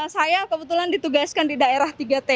saya kebetulan ditugaskan di daerah tiga t